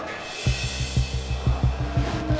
kayak ada suara gedor gedor ya